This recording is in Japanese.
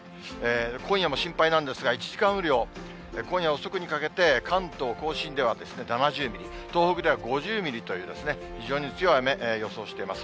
今夜も心配なんですが、１時間雨量、今夜遅くにかけて、関東甲信では７０ミリ、東北では５０ミリという、非常に強い雨、予想しています。